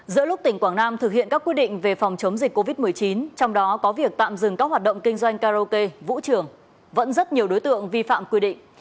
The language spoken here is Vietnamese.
giữa lúc tỉnh quảng nam thực hiện các quy định về phòng chống dịch covid một mươi chín trong đó có việc tạm dừng các hoạt động kinh doanh karaoke vũ trường vẫn rất nhiều đối tượng vi phạm quy định